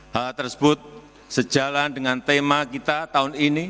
hal tersebut sejalan dengan tema kita tahun ini